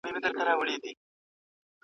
دویني ګروپ یواځې د وینې د انتقال لپاره نه دی.